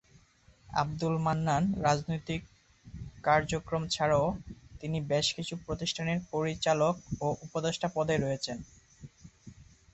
আব্দুল মান্নান রাজনৈতিক কার্যক্রম ছাড়াও তিনি বেশ কিছু প্রতিষ্ঠানের পরিচালক ও উপদেষ্টা পদে রয়েছেন।